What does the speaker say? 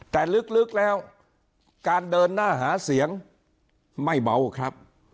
แต่ลึกแล้วการเดินหน้าหาเสียงไม่เบาครับ